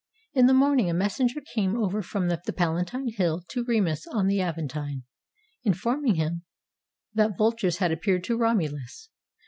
In the morning a messenger came over from the Pala tine hill to Remus on the Aventine, informing him that vultures had appeared to Romulus.